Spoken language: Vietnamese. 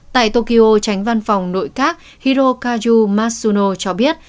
tại tokyo tránh văn phòng nội các hirokazu matsuno cho biết